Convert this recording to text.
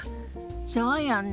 そうよね。